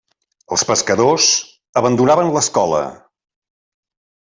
Els pescadors abandonaven l'escola.